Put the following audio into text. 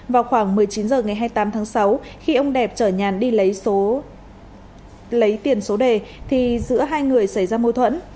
vào khoảng một mươi chín h ngày hai mươi tám tháng sáu khi ông đẹp chở nhàn đi lấy tiền số đề thì giữa hai người xảy ra mâu thuẫn